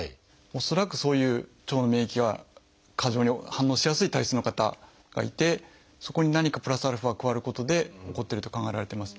恐らくそういう腸の免疫が過剰に反応しやすい体質の方がいてそこに何かプラスアルファが加わることで起こっていると考えられています。